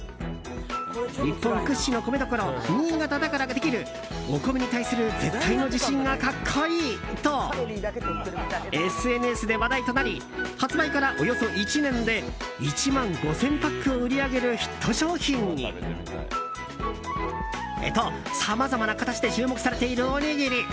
日本屈指の米どころ新潟だからできるお米に対する絶対の自信が格好いいとＳＮＳで話題となり発売からおよそ１年で１万５０００パックを売り上げるヒット商品に。と、さまざまな形で注目されているおにぎり。